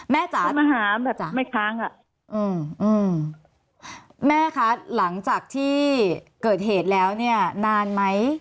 แม่จ๋ามาหาแบบไม่ค้างอะแม่คะหลังจากที่เกิดเหตุแล้วเนี่ยนานไหม